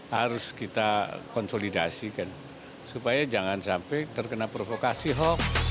harus kita konsolidasikan supaya jangan sampai terkena provokasi hoax